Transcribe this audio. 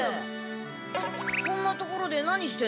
こんな所で何してんだ？